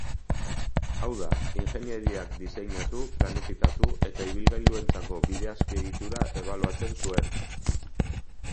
Hau da, ingeniariak diseinatu, planifikatu, eta ibilgailuentzako bide-azpiegitura ebaluatzen zuen.